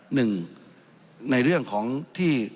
หนึ่งในเรื่องของที่